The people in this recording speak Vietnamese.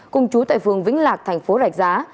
cùng chú tại phường vĩnh lạc thành phố rạch giá